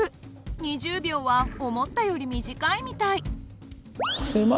２０秒は思ったより短いみたい。